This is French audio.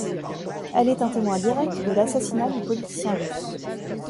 Elle est un témoin direct de l'assassinat du politicien russe.